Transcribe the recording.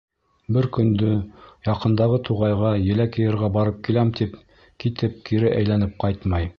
Бер көндө яҡындағы туғайға еләк йыйырға барып киләм тип китеп, кире әйләнеп ҡайтмай.